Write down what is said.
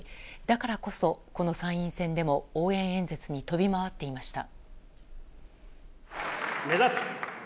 だからこそ、この参院選でも応援演説に飛び回っていました。